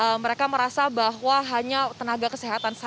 sehingga mereka merasa bahwa hanya tenaga motor yang berdatangan